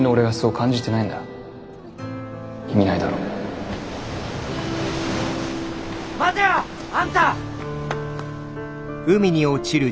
待てよあんた！